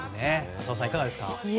浅尾さん、いかがですか？